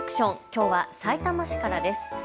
きょうはさいたま市からです。